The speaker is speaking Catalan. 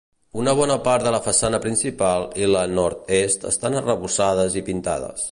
Una bona part de la façana principal i la nord-est estan arrebossades i pintades.